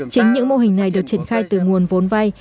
chính những mô hình này được triển khai từ nguồn vốn vay